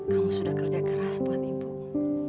kamu sudah kerja keras buat ibu